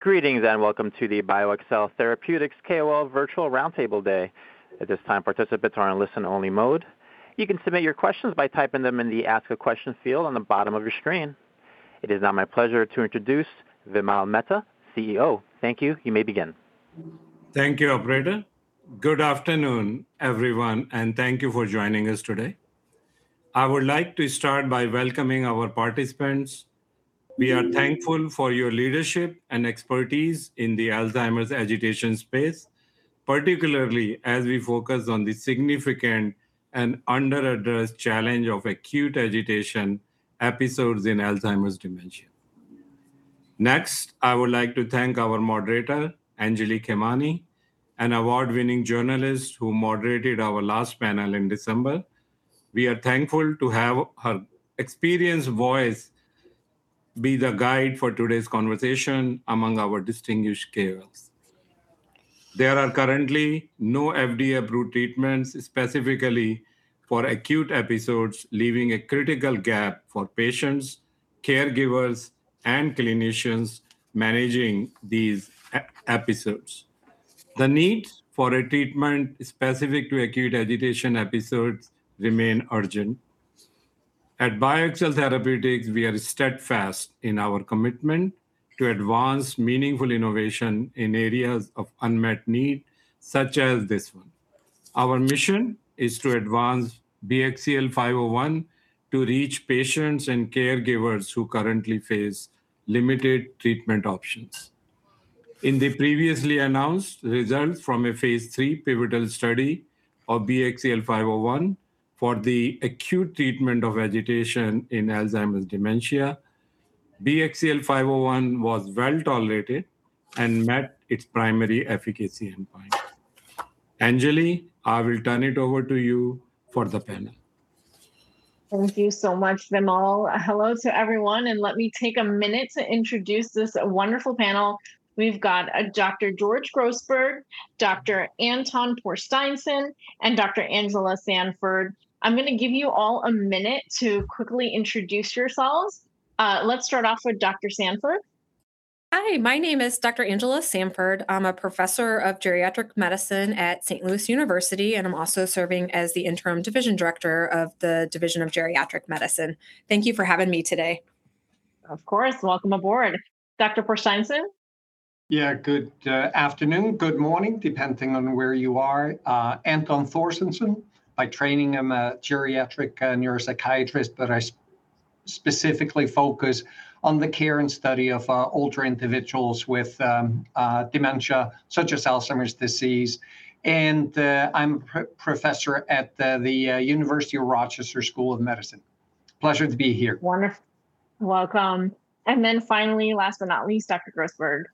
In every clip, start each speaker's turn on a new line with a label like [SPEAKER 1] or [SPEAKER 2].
[SPEAKER 1] Greetings and welcome to the BioXcel Therapeutics KOL Virtual Roundtable Day. At this time, participants are in listen only mode. You can submit your questions by typing them in the Ask a Question field on the bottom of your screen. It is now my pleasure to introduce Vimal Mehta, CEO. Thank you. You may begin.
[SPEAKER 2] Thank you, operator. Good afternoon, everyone, and thank you for joining us today. I would like to start by welcoming our participants. We are thankful for your leadership and expertise in the Alzheimer's agitation space, particularly as we focus on the significant and underaddressed challenge of acute agitation episodes in Alzheimer's dementia. Next, I would like to thank our moderator, Anjalee Khemlani, an award-winning journalist who moderated our last panel in December. We are thankful to have her experienced voice be the guide for today's conversation among our distinguished KOLs. There are currently no FDA-approved treatments specifically for acute episodes, leaving a critical gap for patients, caregivers, and clinicians managing these episodes. The need for a treatment specific to acute agitation episodes remain urgent. At BioXcel Therapeutics, we are steadfast in our commitment to advance meaningful innovation in areas of unmet need, such as this one. Our mission is to advance BXCL501 to reach patients and caregivers who currently face limited treatment options. In the previously announced results from a phase III pivotal study of BXCL501 for the acute treatment of agitation in Alzheimer's dementia, BXCL501 was well-tolerated and met its primary efficacy endpoint. Anjalee, I will turn it over to you for the panel.
[SPEAKER 3] Thank you so much, Vimal. Hello to everyone. Let me take a minute to introduce this wonderful panel. We've got a Dr. George Grossberg, Dr. Anton Porsteinsson, and Dr. Angela Sanford. I'm gonna give you all a minute to quickly introduce yourselves. Let's start off with Dr. Sanford.
[SPEAKER 4] Hi, my name is Dr. Angela Sanford. I'm a Professor of geriatric medicine at Saint Louis University, and I'm also serving as the Interim Division Director of the Division of Geriatric Medicine. Thank you for having me today.
[SPEAKER 3] Of course. Welcome aboard. Dr. Porsteinsson?
[SPEAKER 5] Yeah, good afternoon, good morning, depending on where you are. Anton Porsteinsson. By training, I'm a Geriatric Neuropsychiatrist, but I specifically focus on the care and study of older individuals with dementia, such as Alzheimer's disease. I'm a professor at the University of Rochester School of Medicine. Pleasure to be here.
[SPEAKER 3] Wonderful. Welcome. Finally, last but not least, Dr. Grossberg.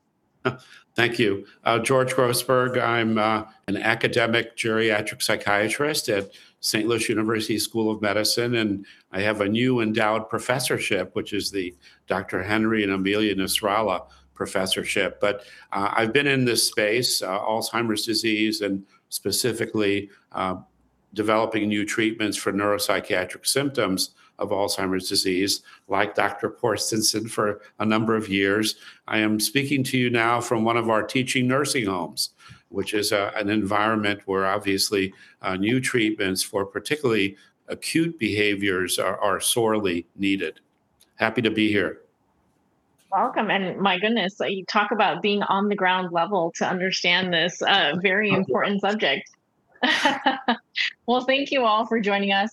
[SPEAKER 6] Thank you. George Grossberg. I'm an academic geriatric psychiatrist at Saint Louis University School of Medicine, and I have a new endowed professorship, which is the Dr. Henry and Amelia Nasrallah professorship. I've been in this space, Alzheimer's disease, and specifically, developing new treatments for neuropsychiatric symptoms of Alzheimer's disease like Dr. Porsteinsson for a number of years. I am speaking to you now from one of our teaching nursing homes, which is an environment where obviously, new treatments for particularly acute behaviors are sorely needed. Happy to be here.
[SPEAKER 3] Welcome. My goodness, you talk about being on the ground level to understand this very important subject. Well, thank you all for joining us.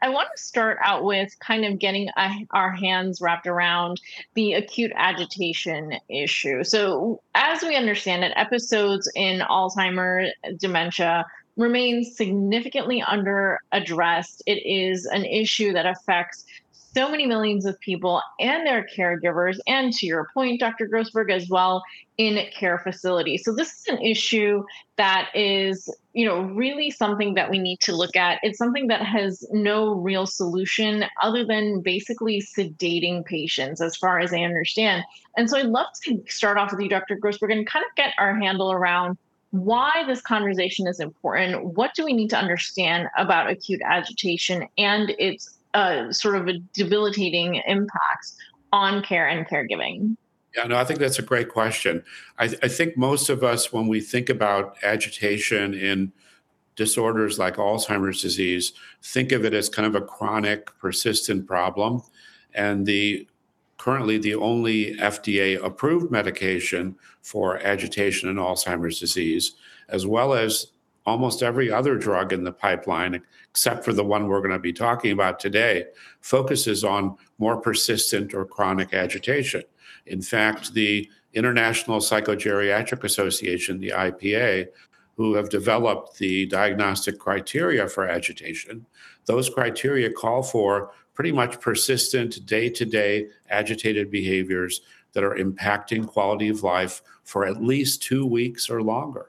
[SPEAKER 3] I want to start out with kind of getting our hands wrapped around the acute agitation issue. As we understand it, episodes in Alzheimer's dementia remain significantly underaddressed. It is an issue that affects so many millions of people and their caregivers, and to your point, Dr. Grossberg, as well in care facilities. This is an issue that is, you know, really something that we need to look at. It's something that has no real solution other than basically sedating patients as far as I understand. I'd love to start off with you, Dr. Grossberg, and kind of get our handle around why this conversation is important. What do we need to understand about acute agitation and its, sort of a debilitating impact on care and caregiving?
[SPEAKER 6] Yeah, no, I think that's a great question. I think most of us when we think about agitation in disorders like Alzheimer's disease, think of it as kind of a chronic persistent problem. Currently, the only FDA-approved medication for agitation in Alzheimer's disease, as well as almost every other drug in the pipeline, except for the one we're gonna be talking about today, focuses on more persistent or chronic agitation. In fact, the International Psychogeriatric Association, the IPA, who have developed the diagnostic criteria for agitation, those criteria call for pretty much persistent day-to-day agitated behaviors that are impacting quality of life for at least two weeks or longer.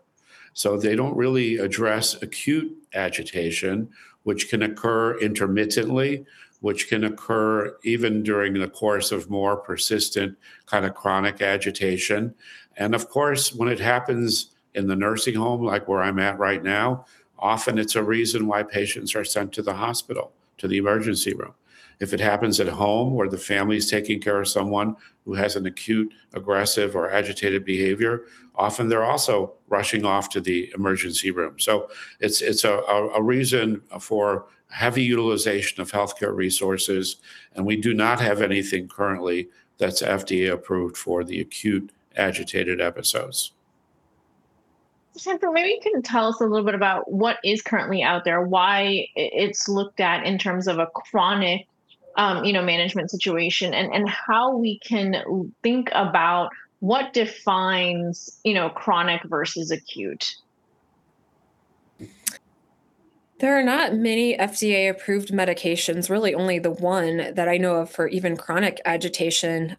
[SPEAKER 6] They don't really address acute agitation, which can occur intermittently, which can occur even during the course of more persistent kind of chronic agitation. Of course, when it happens in the nursing home, like where I'm at right now, often it's a reason why patients are sent to the hospital, to the emergency room. If it happens at home, where the family is taking care of someone who has an acute, aggressive, or agitated behavior, often they're also rushing off to the emergency room. It's a reason for heavy utilization of healthcare resources, and we do not have anything currently that's FDA-approved for the acute agitated episodes.
[SPEAKER 3] Sanford, maybe you can tell us a little bit about what is currently out there, why it's looked at in terms of a chronic, you know, management situation and how we can think about what defines, you know, chronic versus acute.
[SPEAKER 4] There are not many FDA-approved medications, really only the one that I know of for even chronic agitation.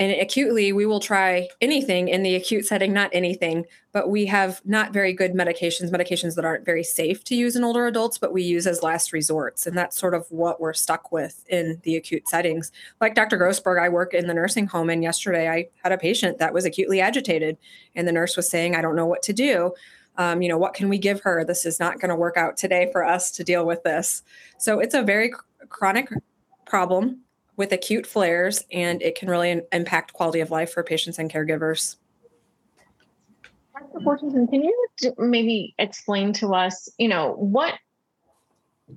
[SPEAKER 4] Acutely we will try anything in the acute setting, not anything, but we have not very good medications that aren't very safe to use in older adults, but we use as last resorts, and that's sort of what we're stuck with in the acute settings. Like Dr. Grossberg, I work in the nursing home, and yesterday I had a patient that was acutely agitated, and the nurse was saying, "I don't know what to do. You know, what can we give her? This is not gonna work out today for us to deal with this." It's a very chronic problem with acute flares, and it can really impact quality of life for patients and caregivers.
[SPEAKER 3] Dr. Porsteinsson, can you maybe explain to us, you know,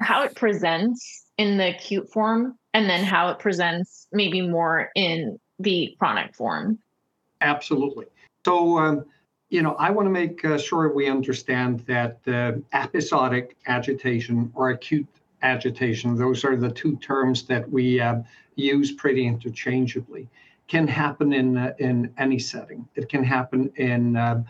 [SPEAKER 3] how it presents in the acute form and then how it presents maybe more in the chronic form?
[SPEAKER 5] Absolutely. You know, I wanna make sure we understand that episodic agitation or acute agitation, those are the two terms that we use pretty interchangeably, can happen in any setting. It can happen in a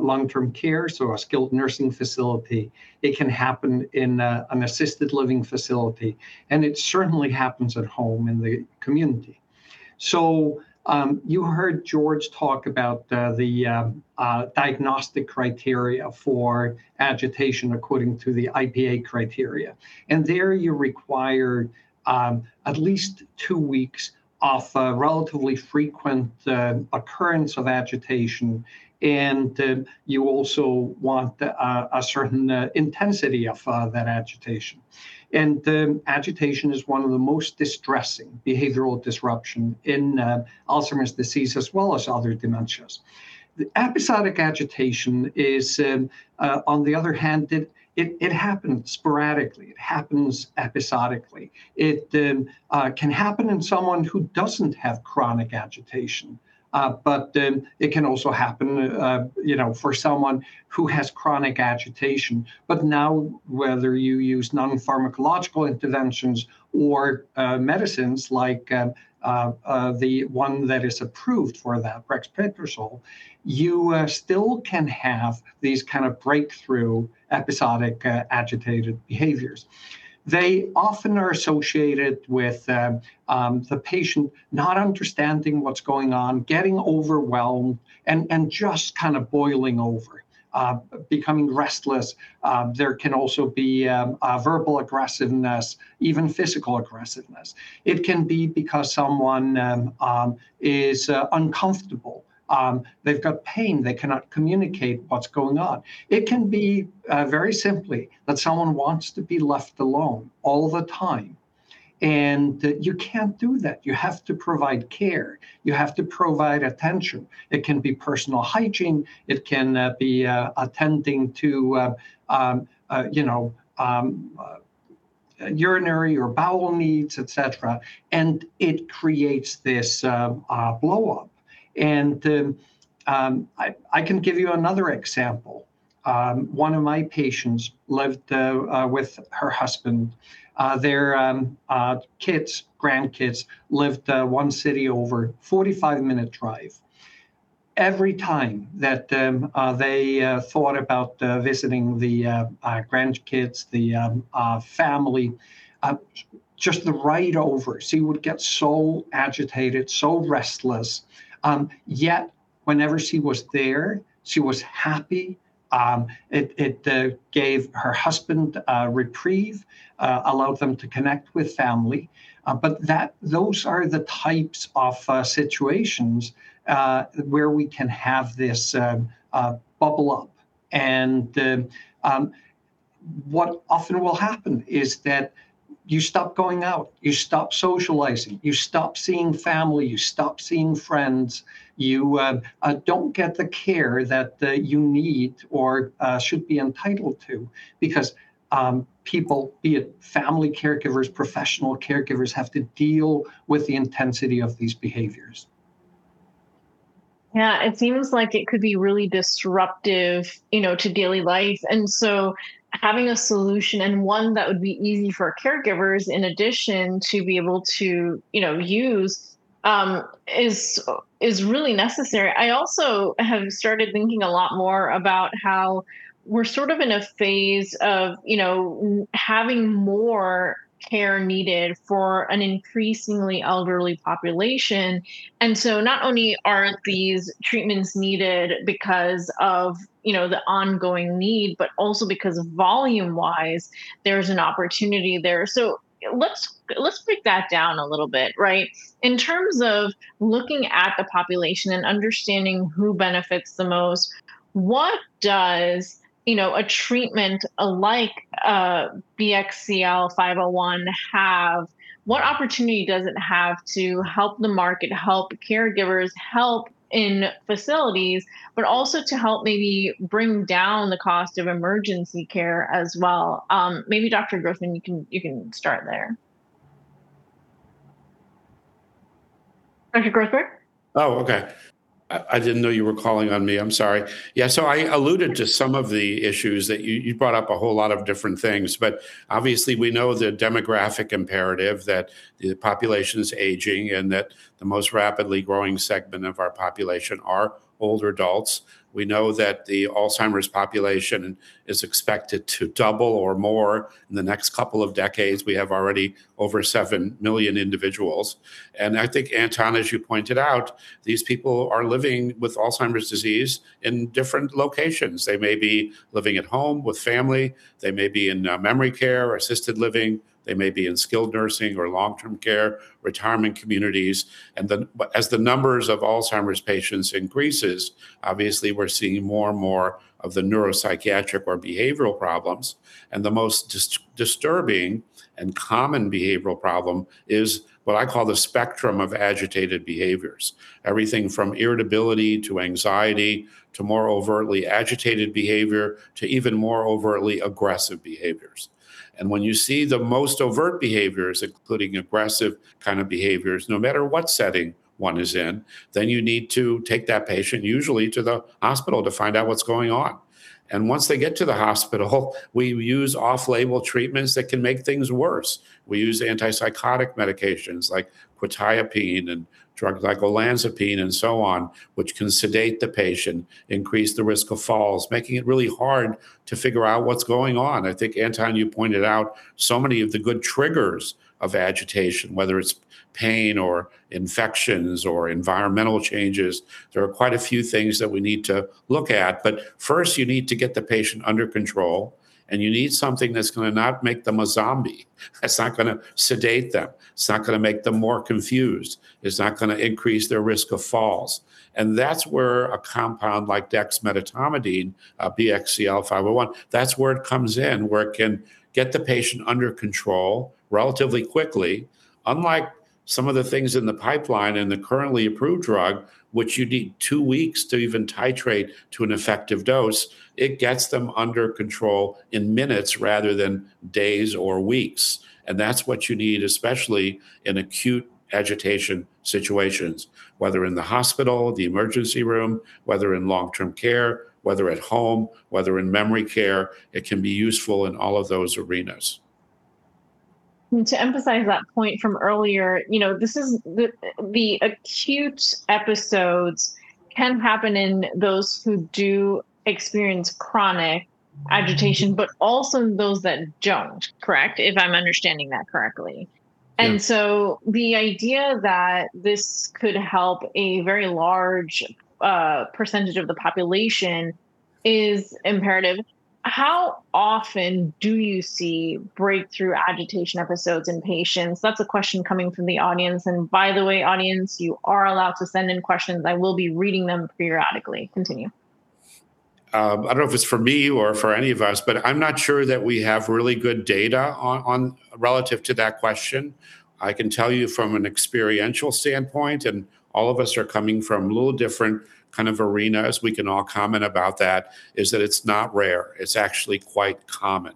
[SPEAKER 5] long-term care, so a skilled nursing facility, it can happen in an assisted living facility, and it certainly happens at home in the community. You heard George talk about the diagnostic criteria for agitation according to the IPA criteria. There you're required at least two weeks of relatively frequent occurrence of agitation, and you also want a certain intensity of that agitation. The agitation is one of the most distressing behavioral disruption in Alzheimer's disease as well as other dementias. The episodic agitation is on the other hand, it happens sporadically. It happens episodically. It can happen in someone who doesn't have chronic agitation. Then it can also happen, you know, for someone who has chronic agitation. Now whether you use non-pharmacological interventions or medicines like the one that is approved for that, brexpiprazole, you still can have these kind of breakthrough episodic agitated behaviors. They often are associated with the patient not understanding what's going on, getting overwhelmed and just kind of boiling over, becoming restless. There can also be a verbal aggressiveness, even physical aggressiveness. It can be because someone is uncomfortable. They've got pain. They cannot communicate what's going on. It can be very simply that someone wants to be left alone all the time. You can't do that. You have to provide care. You have to provide attention. It can be personal hygiene. It can be attending to, you know, urinary or bowel needs, et cetera. It creates this blow up. I can give you another example. One of my patients lived with her husband. Their kids, grandkids lived one city over, 45-minute drive. Every time that they thought about visiting the grandkids, the family, just the ride over, she would get so agitated, so restless. Yet whenever she was there, she was happy. It gave her husband a reprieve, allowed them to connect with family. Those are the types of situations where we can have this bubble up. What often will happen is that you stop going out, you stop socializing, you stop seeing family, you stop seeing friends. You don't get the care that you need or should be entitled to because people, be it family caregivers, professional caregivers, have to deal with the intensity of these behaviors.
[SPEAKER 3] Yeah. It seems like it could be really disruptive, you know, to daily life. Having a solution and one that would be easy for caregivers in addition to be able to, you know, use, is really necessary. I also have started thinking a lot more about how we're sort of in a phase of, you know, having more care needed for an increasingly elderly population. Not only aren't these treatments needed because of, you know, the ongoing need, but also because of volume-wise, there's an opportunity there. Let's break that down a little bit, right? In terms of looking at the population and understanding who benefits the most, what does, you know, a treatment alike, BXCL501 have? What opportunity does it have to help the market, help caregivers, help in facilities, also to help maybe bring down the cost of emergency care as well? Maybe Dr. Grossberg, you can start there. Dr. Grossberg?
[SPEAKER 6] Okay. I didn't know you were calling on me. I'm sorry. I alluded to some of the issues that you brought up a whole lot of different things. Obviously we know the demographic imperative that the population is aging and that the most rapidly growing segment of our population are older adults. We know that the Alzheimer's population is expected to double or more in the next couple of decades. We have already over 7 million individuals. I think, Anton, as you pointed out, these people are living with Alzheimer's disease in different locations. They may be living at home with family. They may be in memory care or assisted living. They may be in skilled nursing or long-term care, retirement communities. As the numbers of Alzheimer's patients increases, obviously we're seeing more and more of the neuropsychiatric or behavioral problems. The most disturbing and common behavioral problem is what I call the spectrum of agitated behaviors. Everything from irritability to anxiety, to more overtly agitated behavior, to even more overtly aggressive behaviors. When you see the most overt behaviors, including aggressive kind of behaviors, no matter what setting one is in, then you need to take that patient usually to the hospital to find out what's going on. Once they get to the hospital, we use off-label treatments that can make things worse. We use antipsychotic medications like quetiapine and drugs like olanzapine and so on, which can sedate the patient, increase the risk of falls, making it really hard to figure out what's going on. I think, Anton, you pointed out so many of the good triggers of agitation, whether it's pain or infections or environmental changes. There are quite a few things that we need to look at. First you need to get the patient under control, and you need something that's gonna not make them a zombie. That's not gonna sedate them. It's not gonna make them more confused. It's not gonna increase their risk of falls. That's where a compound like dexmedetomidine, BXCL501, that's where it comes in, where it can get the patient under control relatively quickly. Unlike some of the things in the pipeline and the currently approved drug, which you need two weeks to even titrate to an effective dose, it gets them under control in minutes rather than days or weeks. That's what you need, especially in acute agitation situations, whether in the hospital, the emergency room, whether in long-term care, whether at home, whether in memory care, it can be useful in all of those arenas.
[SPEAKER 3] To emphasize that point from earlier, you know, this is the acute episodes can happen in those who do experience chronic agitation, but also those that don't. Correct? If I'm understanding that correctly. The idea that this could help a very large percentage of the population is imperative. How often do you see breakthrough agitation episodes in patients? That's a question coming from the audience. By the way, audience, you are allowed to send in questions. I will be reading them periodically. Continue.
[SPEAKER 6] I don't know if it's for me or for any of us, but I'm not sure that we have really good data on relative to that question. I can tell you from an experiential standpoint, and all of us are coming from a little different kind of arenas, we can all comment about that, is that it's not rare. It's actually quite common.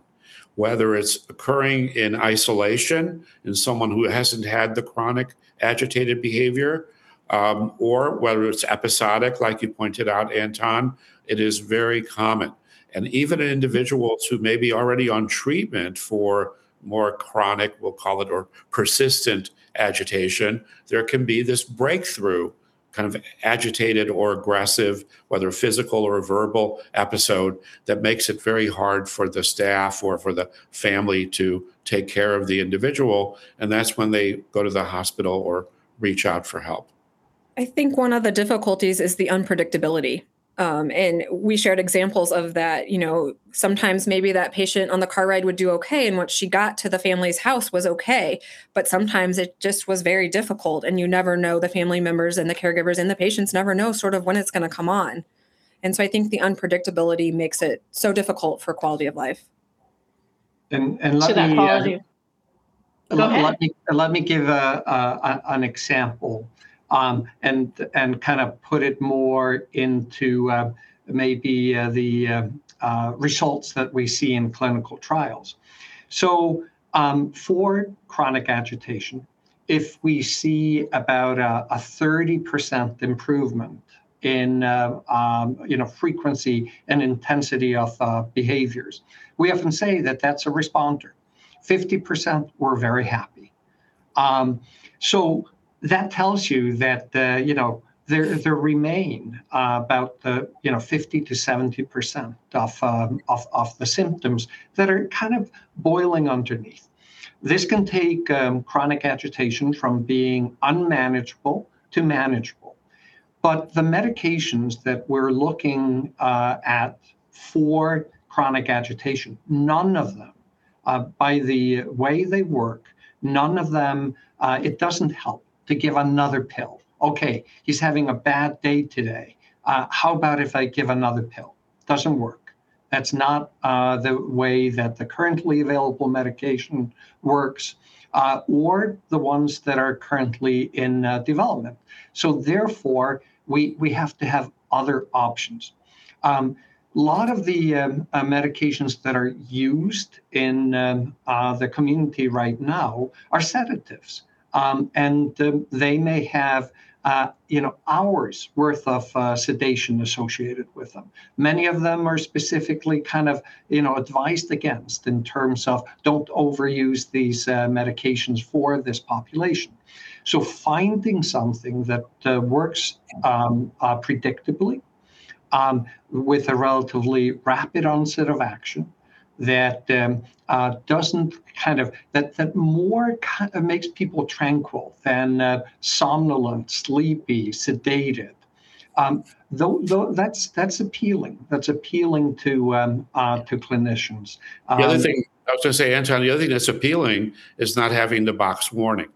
[SPEAKER 6] Whether it's occurring in isolation in someone who hasn't had the chronic agitated behavior, or whether it's episodic, like you pointed out, Anton, it is very common. Even individuals who may be already on treatment for more chronic, we'll call it, or persistent agitation, there can be this breakthrough kind of agitated or aggressive, whether physical or verbal episode that makes it very hard for the staff or for the family to take care of the individual, and that's when they go to the hospital or reach out for help.
[SPEAKER 4] I think one of the difficulties is the unpredictability. We shared examples of that. You know, sometimes maybe that patient on the car ride would do okay, and once she got to the family's house was okay. Sometimes it just was very difficult, and you never know the family members and the caregivers, and the patients never know sort of when it's gonna come on. I think the unpredictability makes it so difficult for quality of life.
[SPEAKER 5] And, and let me--
[SPEAKER 3] To that quality. Go ahead.
[SPEAKER 5] Let me give an example and kind of put it more into maybe the results that we see in clinical trials. For chronic agitation, if we see about a 30% improvement in, you know, frequency and intensity of behaviors, we often say that that's a responder. 50%, we're very happy. That tells you that, you know, there remain about, you know, 50%-70% of the symptoms that are kind of boiling underneath. This can take chronic agitation from being unmanageable to manageable. The medications that we're looking at for chronic agitation, none of them, by the way they work, none of them, it doesn't help to give another pill. "Okay, he's having a bad day today. How about if I give another pill?" Doesn't work. That's not the way that the currently available medication works or the ones that are currently in development. Therefore, we have to have other options. Lot of the medications that are used in the community right now are sedatives. They may have, you know, hours worth of sedation associated with them. Many of them are specifically kind of, you know, advised against in terms of don't overuse these medications for this population. Finding something that works predictably with a relatively rapid onset of action that doesn't kind of-- That makes people tranquil than somnolent, sleepy, sedated. That's appealing. That's appealing to clinicians.
[SPEAKER 6] The other thing-- I was gonna say, Anton, the other thing that's appealing is not having the box warning.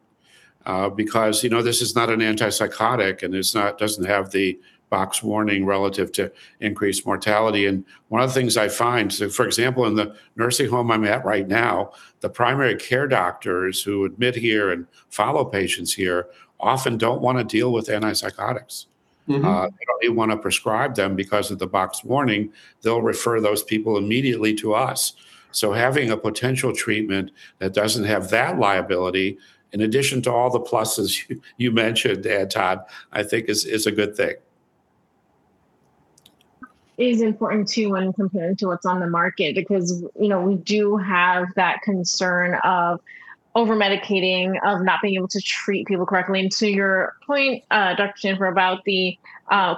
[SPEAKER 6] Because, you know, this is not an antipsychotic, and it doesn't have the box warning relative to increased mortality. One of the things I find-- For example, in the nursing home I'm at right now, the primary care doctors who admit here and follow patients here often don't wanna deal with antipsychotics. They don't even wanna prescribe them because of the box warning. They'll refer those people immediately to us. Having a potential treatment that doesn't have that liability, in addition to all the pluses you mentioned, Anton, I think is a good thing.
[SPEAKER 3] It is important, too, when compared to what's on the market because, you know, we do have that concern of over-medicating, of not being able to treat people correctly. To your point, Dr. Sanford, about the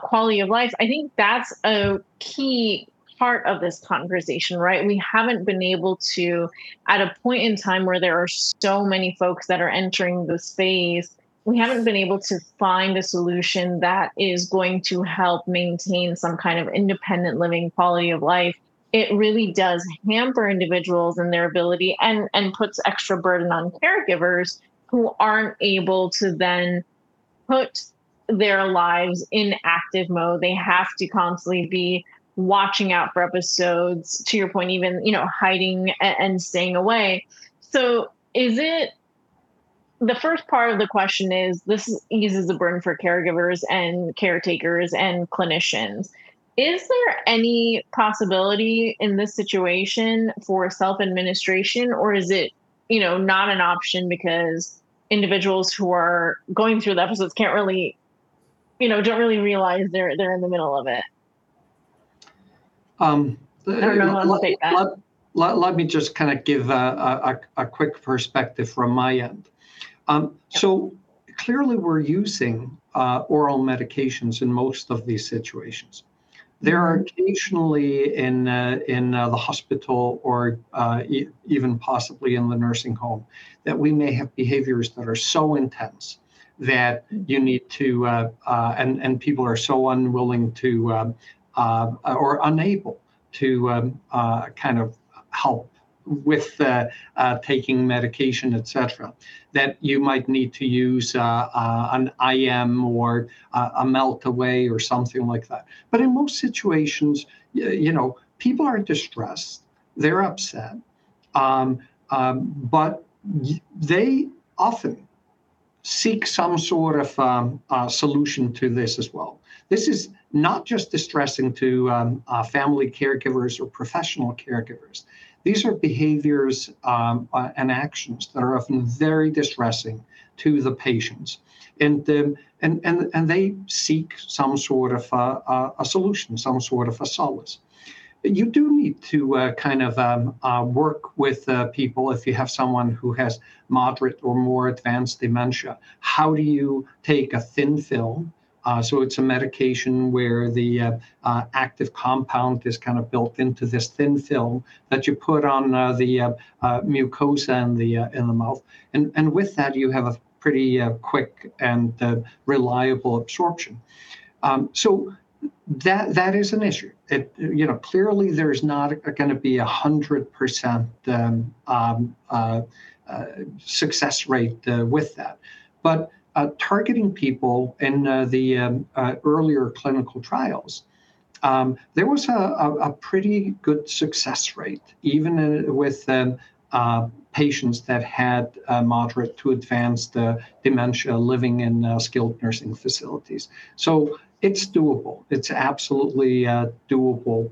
[SPEAKER 3] quality of life, I think that's a key part of this conversation, right? We haven't been able to. At a point in time where there are so many folks that are entering the space, we haven't been able to find a solution that is going to help maintain some kind of independent living quality of life. It really does hamper individuals and their ability and puts extra burden on caregivers who aren't able to then put their lives in active mode. They have to constantly be watching out for episodes, to your point even, you know, hiding and staying away. Is it? The first part of the question is this eases the burden for caregivers and caretakers and clinicians. Is there any possibility in this situation for self-administration, or is it, you know, not an option because individuals who are going through the episodes can't really, you know, don't really realize they're in the middle of it? I don't know who wants to take that.
[SPEAKER 5] Let me just kind of give a quick perspective from my end. Clearly we're using oral medications in most of these situations. There are occasionally in the hospital or even possibly in the nursing home that we may have behaviors that are so intense that you need to. People are so unwilling to or unable to kind of help with the taking medication, et cetera, that you might need to use an IM or a melt away or something like that. In most situations, you know, people are distressed, they're upset, but they often seek some sort of solution to this as well. This is not just distressing to family caregivers or professional caregivers. These are behaviors and actions that are often very distressing to the patients. They seek some sort of a solution, some sort of a solace. You do need to kind of work with people if you have someone who has moderate or more advanced dementia. How do you take a thin film? It's a medication where the active compound is kind of built into this thin film that you put on the mucosa in the mouth. With that, you have a pretty quick and reliable absorption. That, that is an issue. It. You know, clearly there's not gonna be 100% success rate with that. Targeting people in the earlier clinical trials, there was a pretty good success rate even with patients that had moderate to advanced dementia living in skilled nursing facilities. It's doable. It's absolutely doable.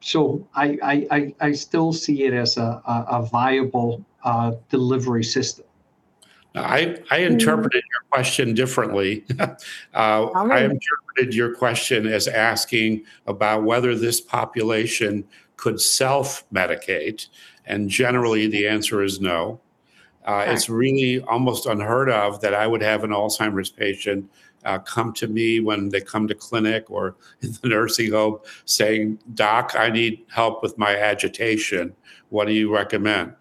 [SPEAKER 5] So I still see it as a viable delivery system.
[SPEAKER 6] I interpreted your question differently.
[SPEAKER 5] All right.
[SPEAKER 6] I interpreted your question as asking about whether this population could self-medicate, and generally the answer is no. It's really almost unheard of that I would have an Alzheimer's patient come to me when they come to clinic or in the nursing home saying, "Doc, I need help with my agitation. What do you recommend?"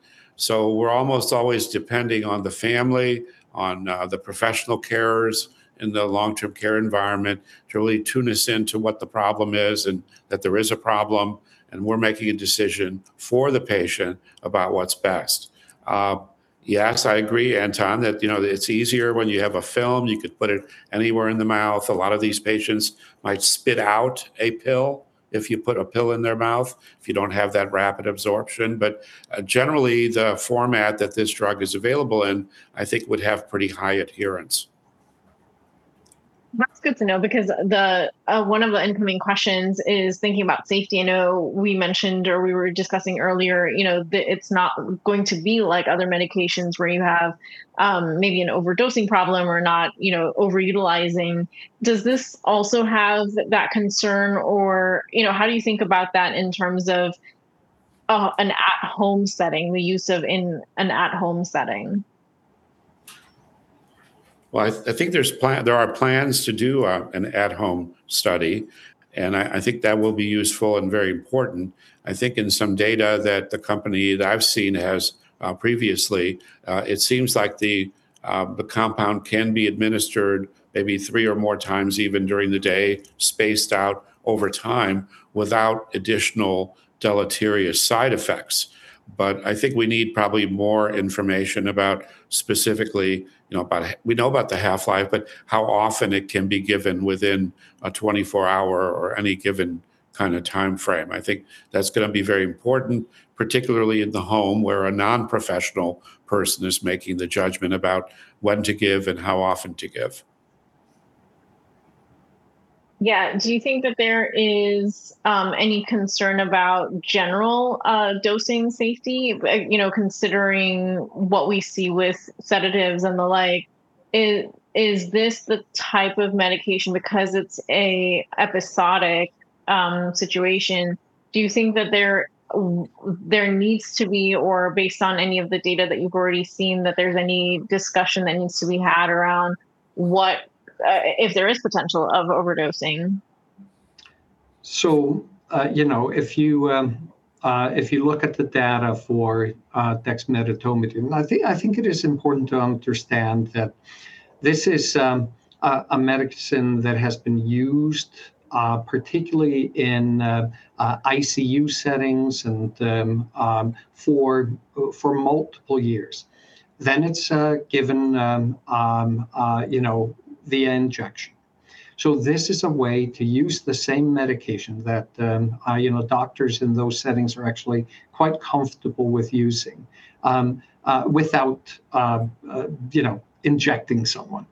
[SPEAKER 6] We're almost always depending on the family, on the professional carers in the long-term care environment to really tune us into what the problem is and that there is a problem, and we're making a decision for the patient about what's best. Yes, I agree, Anton, that, you know, it's easier when you have a film. You could put it anywhere in the mouth. A lot of these patients might spit out a pill if you put a pill in their mouth, if you don't have that rapid absorption. Generally, the format that this drug is available in, I think would have pretty high adherence.
[SPEAKER 3] That's good to know because the, one of the incoming questions is thinking about safety. I know we mentioned or we were discussing earlier, you know, it's not going to be like other medications where you have, maybe an overdosing problem or not, you know, over-utilizing. Does this also have that concern? You know, how do you think about that in terms of, an at-home setting, the use of in an at-home setting?
[SPEAKER 6] I think there are plans to do an at-home study, and I think that will be useful and very important. I think in some data that the company that I've seen has previously, it seems like the compound can be administered maybe three or more times, even during the day, spaced out over time without additional deleterious side effects. I think we need probably more information about specifically, you know, we know about the half-life, but how often it can be given within a 24-hour or any given kind of timeframe. I think that's gonna be very important, particularly in the home, where a non-professional person is making the judgment about when to give and how often to give.
[SPEAKER 3] Yeah. Do you think that there is any concern about general dosing safety? You know, considering what we see with sedatives and the like, is this the type of medication, because it's a episodic situation, do you think that there needs to be, or based on any of the data that you've already seen, that there's any discussion that needs to be had around what, if there is potential of overdosing?
[SPEAKER 5] You know, if you look at the data for dexmedetomidine, I think it is important to understand that this is a medicine that has been used particularly in ICU settings and for multiple years. It's given, you know, via injection. This is a way to use the same medication that, you know, doctors in those settings are actually quite comfortable with using without, you know, injecting someone.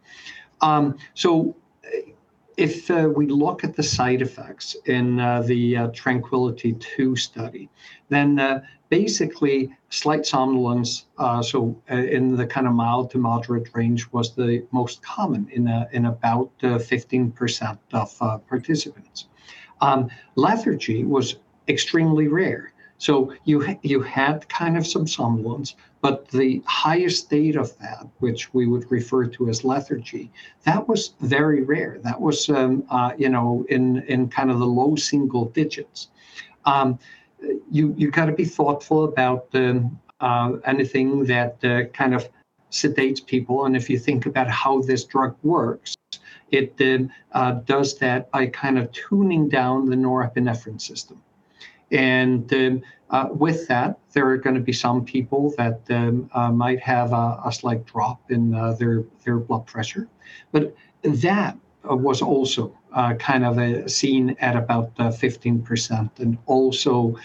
[SPEAKER 5] If we look at the side effects in the TRANQUILITY II study, then basically slight somnolence, so in the kind of mild to moderate range was the most common in about 15% of participants. Lethargy was extremely rare. You had kind of some somnolence, but the highest state of that, which we would refer to as lethargy, that was very rare. That was, you know, in kind of the low single digits. You got to be thoughtful about the anything that kind of sedates people, and if you think about how this drug works, it does that by kind of tuning down the norepinephrine system. With that, there are gonna be some people that might have a slight drop in their blood pressure. That was also kind of seen at about 15%, and also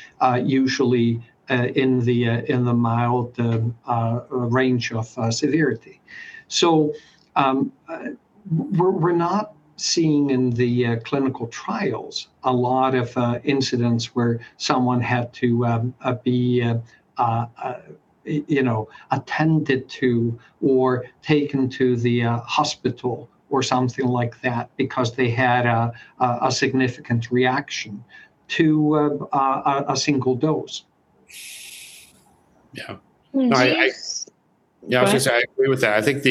[SPEAKER 5] usually in the mild range of severity. We're not seeing in the clinical trials a lot of incidents where someone had to be, you know, attended to or taken to the hospital or something like that because they had a significant reaction to a single dose.
[SPEAKER 6] Yeah.
[SPEAKER 3] Go ahead.
[SPEAKER 6] Yeah, I was gonna say I agree with that. I think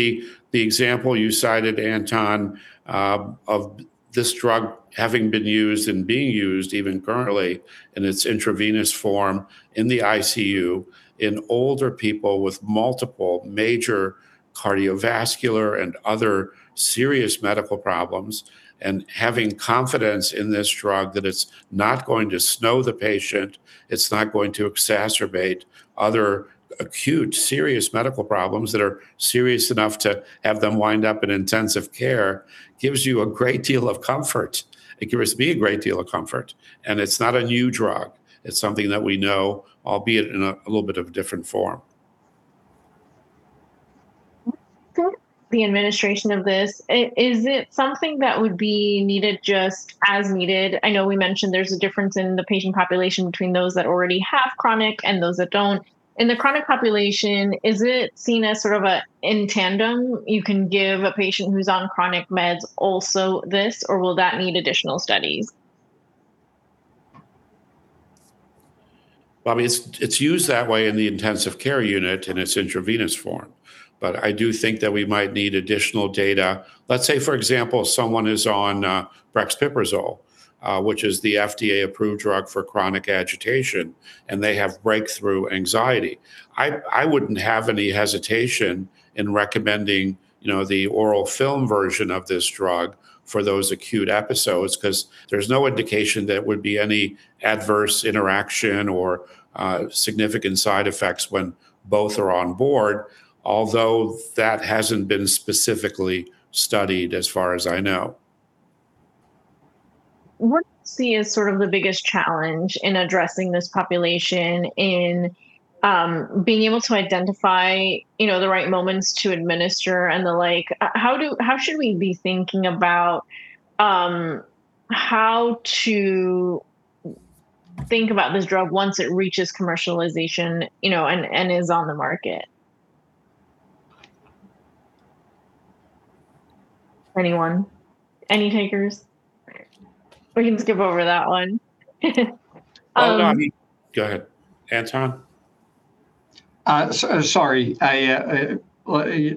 [SPEAKER 6] the example you cited, Anton, of this drug having been used and being used even currently in its intravenous form in the ICU in older people with multiple major cardiovascular and other serious medical problems, and having confidence in this drug that it's not going to snow the patient, it's not going to exacerbate other acute serious medical problems that are serious enough to have them wind up in intensive care, gives you a great deal of comfort. It gives me a great deal of comfort. It's not a new drug. It's something that we know, albeit in a little bit of a different form.
[SPEAKER 3] The administration of this, is it something that would be needed just as needed? I know we mentioned there's a difference in the patient population between those that already have chronic and those that don't. In the chronic population, is it seen as sort of a in tandem, you can give a patient who's on chronic meds also this, or will that need additional studies?
[SPEAKER 6] Well, I mean, it's used that way in the intensive care unit in its intravenous form. I do think that we might need additional data. Let's say, for example, someone is on brexpiprazole, which is the FDA-approved drug for chronic agitation, and they have breakthrough anxiety. I wouldn't have any hesitation in recommending, you know, the oral film version of this drug for those acute episodes 'cause there's no indication there would be any adverse interaction or significant side effects when both are on board, although that hasn't been specifically studied as far as I know.
[SPEAKER 3] What do you see as sort of the biggest challenge in addressing this population in, being able to identify, you know, the right moments to administer and the like? How should we be thinking about, how to think about this drug once it reaches commercialization, you know, and is on the market? Anyone? Any takers? We can skip over that one.
[SPEAKER 6] Oh, no, I mean-- Go ahead, Anton.
[SPEAKER 5] Sorry. I, well,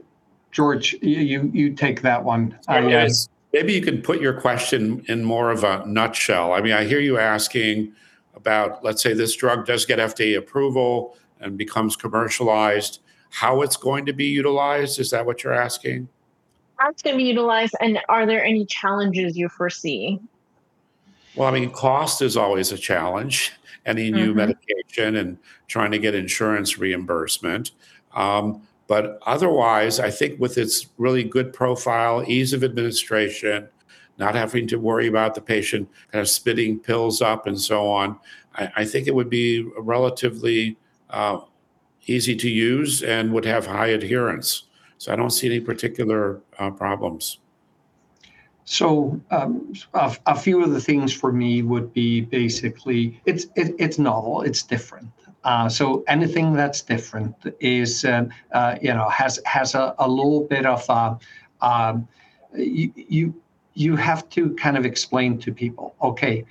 [SPEAKER 5] George, you take that one.
[SPEAKER 6] Yeah. Maybe you can put your question in more of a nutshell. I mean, I hear you asking about, let's say, this drug does get FDA approval and becomes commercialized, how it's going to be utilized. Is that what you're asking?
[SPEAKER 3] How it's gonna be utilized, and are there any challenges you foresee?
[SPEAKER 6] Well, I mean, cost is always a challenge. Any new medication and trying to get insurance reimbursement. Otherwise, I think with its really good profile, ease of administration, not having to worry about the patient kind of spitting pills up and so on, I think it would be relatively easy to use and would have high adherence. I don't see any particular problems.
[SPEAKER 5] A few of the things for me would be basically it's novel. It's different. Anything that's different is, you know, has a little bit of-- You have to kind of explain to people, "Okay,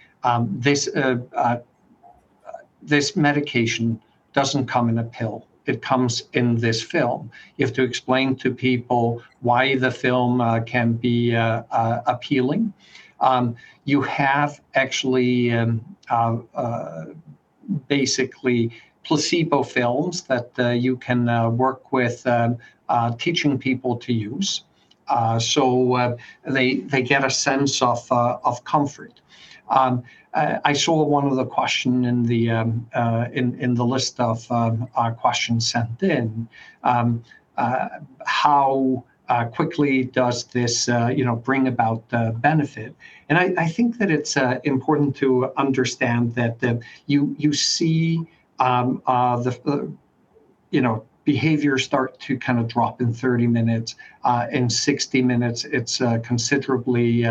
[SPEAKER 5] this medication doesn't come in a pill. It comes in this film." You have to explain to people why the film can be appealing. You have actually basically placebo films that you can work with teaching people to use, they get a sense of comfort. I saw one of the question in the list of questions sent in. How quickly does this, you know, bring about the benefit? I think that it's important to understand that you see, you know, behavior start to kind of drop in 30 minutes. In 60 minutes, it's considerably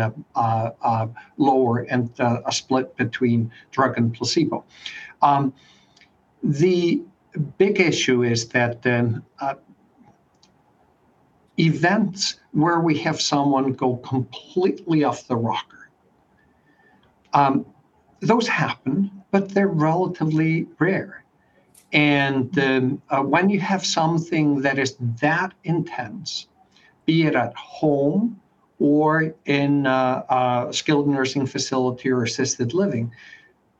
[SPEAKER 5] lower and a split between drug and placebo. The big issue is that then events where we have someone go completely off the rocker, those happen, but they're relatively rare. When you have something that is that intense, be it at home or in a skilled nursing facility or assisted living,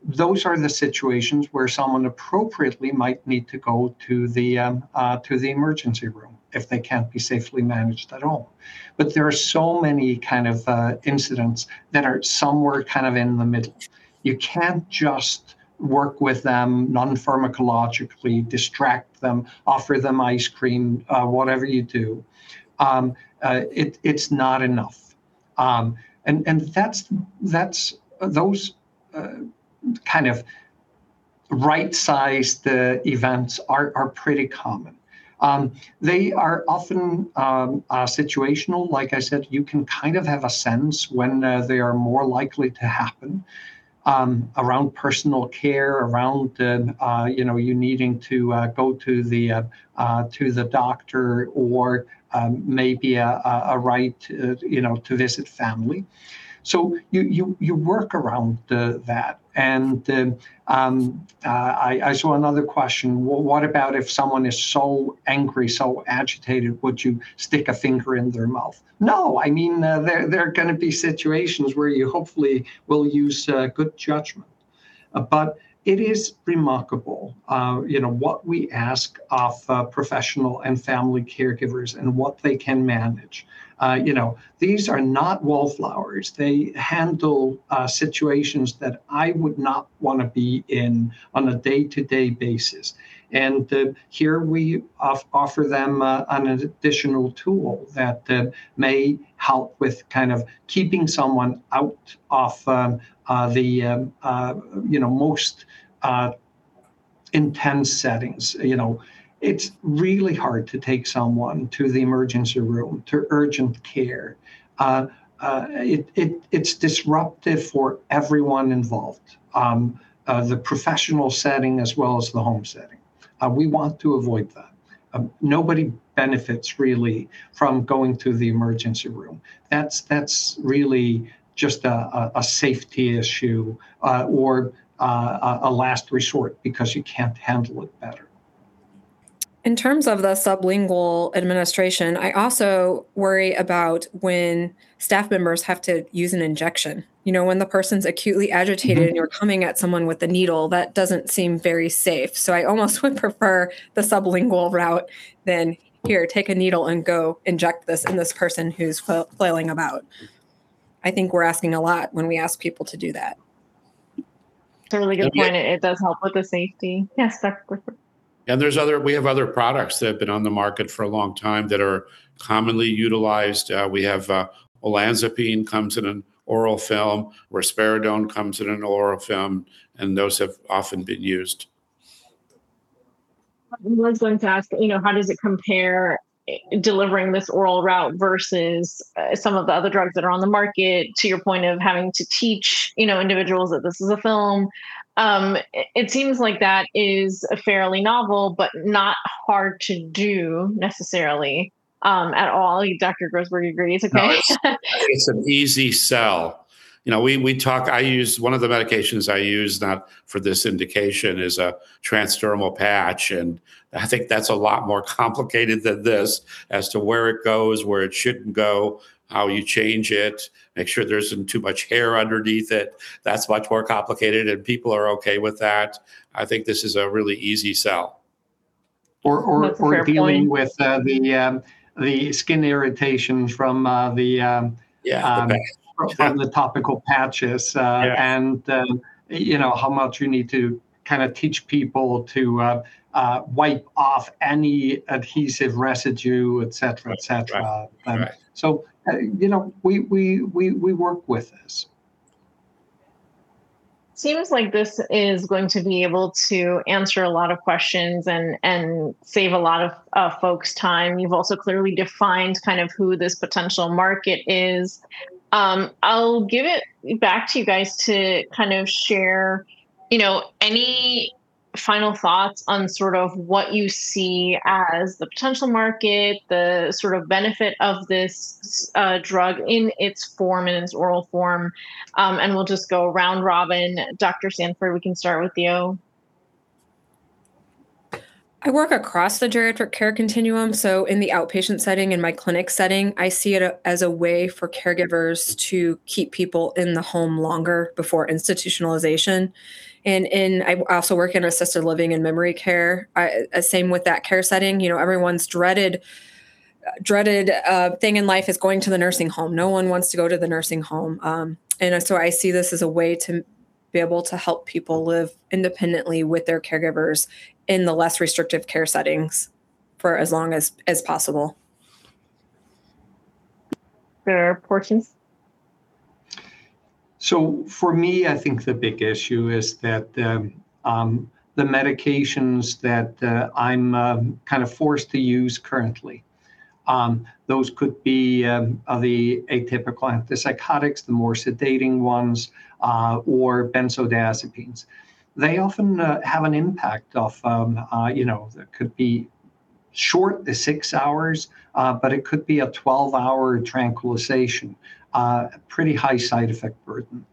[SPEAKER 5] those are the situations where someone appropriately might need to go to the emergency room if they can't be safely managed at home. There are so many kind of incidents that are somewhere kind of in the middle. You can't just work with them non-pharmacologically, distract them, offer them ice cream, whatever you do. It's not enough. That's those kind of right-sized events are pretty common. They are often situational. Like I said, you can kind of have a sense when they are more likely to happen around personal care, around, you know, you needing to go to the doctor or maybe a right, you know, to visit family. You work around the-- that. I saw another question. Well, what about if someone is so angry, so agitated, would you stick a finger in their mouth? No. I mean, there are gonna be situations where you hopefully will use good judgment. It is remarkable, you know, what we ask of professional and family caregivers and what they can manage. You know, these are not wallflowers. They handle situations that I would not wanna be in on a day-to-day basis. Here we offer them an additional tool that may help with kind of keeping someone out of the, you know, most intense settings. You know, it's really hard to take someone to the emergency room, to urgent care. It's disruptive for everyone involved, the professional setting as well as the home setting. We want to avoid that. Nobody benefits really from going to the emergency room. That's really just a safety issue, or a last resort because you can't handle it better.
[SPEAKER 4] In terms of the sublingual administration, I also worry about when staff members have to use an injection. You know, when the person's acutely agitated and you're coming at someone with a needle, that doesn't seem very safe. I almost would prefer the sublingual route than, "Here, take a needle and go inject this in this person who's flailing about." I think we're asking a lot when we ask people to do that.
[SPEAKER 3] It's a really good point. It does help with the safety. Yes, Dr. Grossberg.
[SPEAKER 6] There's other. We have other products that have been on the market for a long time that are commonly utilized. We have olanzapine comes in an oral film, risperidone comes in an oral film, and those have often been used.
[SPEAKER 3] I was going to ask, you know, how does it compare delivering this oral route versus, some of the other drugs that are on the market, to your point of having to teach, you know, individuals that this is a film. It seems like that is fairly novel, but not hard to do necessarily, at all. Dr. Grossberg agrees.
[SPEAKER 6] It's an easy sell. You know, we talk. One of the medications I use, not for this indication, is a transdermal patch. I think that's a lot more complicated than this as to where it goes, where it shouldn't go, how you change it, make sure there isn't too much hair underneath it. That's much more complicated. People are okay with that. I think this is a really easy sell.
[SPEAKER 3] That's a fair point.
[SPEAKER 5] Or dealing with, the skin irritation from the topical patches. You know, how much you need to kind of teach people to wipe off any adhesive residue, et cetera, et cetera.
[SPEAKER 6] Right.
[SPEAKER 5] You know, we work with this.
[SPEAKER 3] Seems like this is going to be able to answer a lot of questions and save a lot of folks' time. You've also clearly defined kind of who this potential market is. I'll give it back to you guys to kind of share, you know, any final thoughts on sort of what you see as the potential market, the sort of benefit of this drug in its form, in its oral form. We'll just go round robin. Dr. Sanford, we can start with you.
[SPEAKER 4] I work across the geriatric care continuum, so in the outpatient setting, in my clinic setting, I see it as a way for caregivers to keep people in the home longer before institutionalization. I also work in assisted living and memory care. Same with that care setting. You know, everyone's dreaded thing in life is going to the nursing home. No one wants to go to the nursing home. I see this as a way to be able to help people live independently with their caregivers in the less restrictive care settings for as long as possible.
[SPEAKER 3] Fair. Dr. Porsteinsson?
[SPEAKER 5] For me, I think the big issue is that the medications that I'm kind of forced to use currently, those could be the atypical antipsychotics, the more sedating ones, or benzodiazepines. They often have an impact of, you know, that could be short to six hours, but it could be a 12-hour tranquilization, pretty high side effect burden.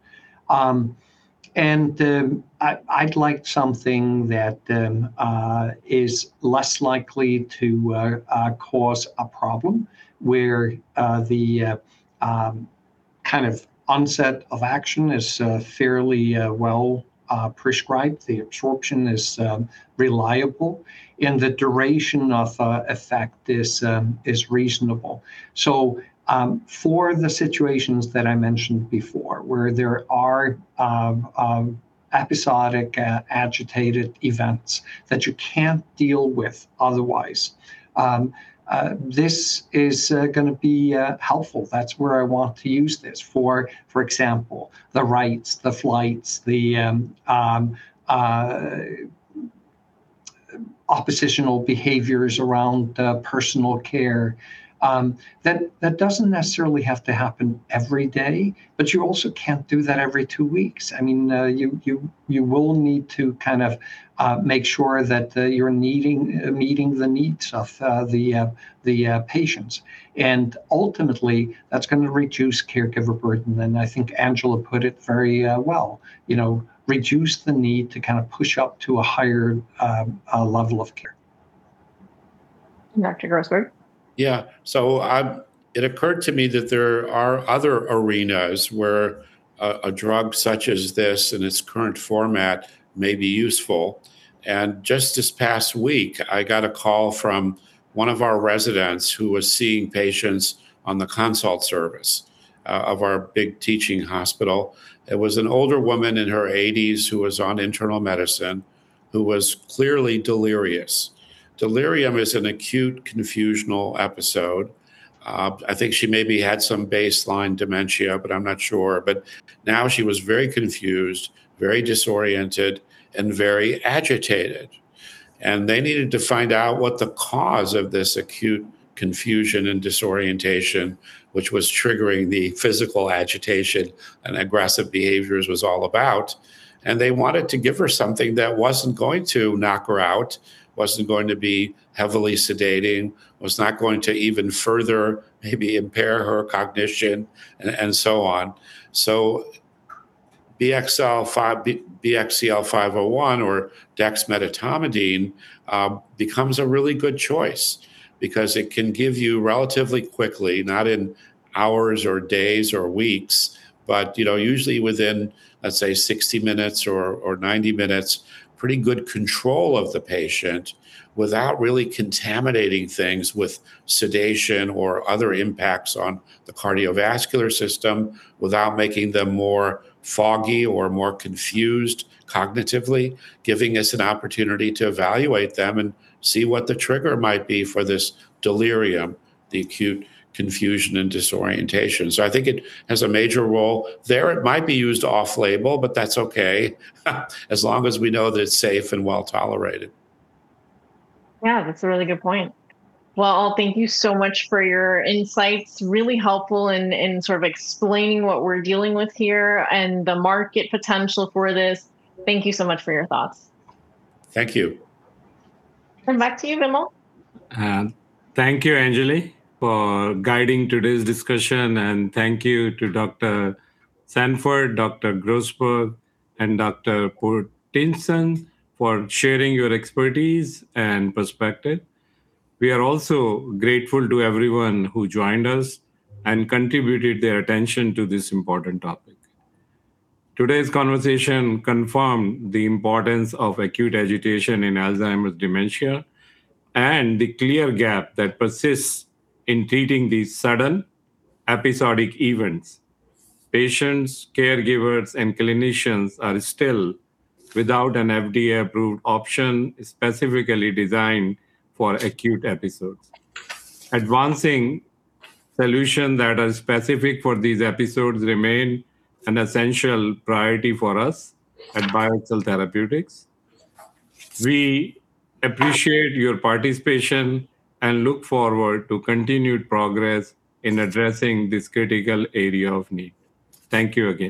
[SPEAKER 5] I'd like something that is less likely to cause a problem, where the kind of onset of action is fairly well prescribed, the absorption is reliable, and the duration of effect is reasonable. For the situations that I mentioned before, where there are episodic agitated events that you can't deal with otherwise, this is gonna be helpful. That's where I want to use this for example, the rites, the flights, the oppositional behaviors around personal care that doesn't necessarily have to happen every day, but you also can't do that every two weeks. I mean, you will need to kind of make sure that you're meeting the needs of the patients. Ultimately, that's gonna reduce caregiver burden. I think Angela put it very well, you know, reduce the need to kind of push up to a higher level of care.
[SPEAKER 3] Dr. Grossberg?
[SPEAKER 6] Yeah. It occurred to me that there are other arenas where a drug such as this in its current format may be useful. Just this past week, I got a call from one of our residents who was seeing patients on the consult service of our big teaching hospital. It was an older woman in her 80s who was on internal medicine, who was clearly delirious. Delirium is an acute confusional episode. I think she maybe had some baseline dementia, but I'm not sure. Now she was very confused, very disoriented, and very agitated. They needed to find out what the cause of this acute confusion and disorientation, which was triggering the physical agitation and aggressive behaviors, was all about. They wanted to give her something that wasn't going to knock her out, wasn't going to be heavily sedating, was not going to even further maybe impair her cognition, and so on. BXCL501 or dexmedetomidine becomes a really good choice because it can give you relatively quickly, not in hours or days or weeks, but, you know, usually within, let's say, 60 minutes or 90 minutes, pretty good control of the patient without really contaminating things with sedation or other impacts on the cardiovascular system, without making them more foggy or more confused cognitively, giving us an opportunity to evaluate them and see what the trigger might be for this delirium, the acute confusion and disorientation. I think it has a major role there. It might be used off-label, but that's okay as long as we know that it's safe and well-tolerated.
[SPEAKER 3] Yeah, that's a really good point. Well, thank you so much for your insights. Really helpful in sort of explaining what we're dealing with here and the market potential for this. Thank you so much for your thoughts.
[SPEAKER 6] Thank you.
[SPEAKER 3] Back to you, Vimal.
[SPEAKER 2] Thank you, Anjalee, for guiding today's discussion, and thank you to Dr. Sanford, Dr. Grossberg, and Dr. Porsteinsson for sharing your expertise and perspective. We are also grateful to everyone who joined us and contributed their attention to this important topic. Today's conversation confirmed the importance of acute agitation in Alzheimer's dementia and the clear gap that persists in treating these sudden episodic events. Patients, caregivers, and clinicians are still without an FDA-approved option specifically designed for acute episodes. Advancing solutions that are specific for these episodes remain an essential priority for us at BioXcel Therapeutics. We appreciate your participation and look forward to continued progress in addressing this critical area of need. Thank you again.